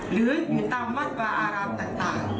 หรืออยู่ตามวัดวาอารามต่าง